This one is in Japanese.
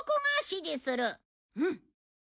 うん！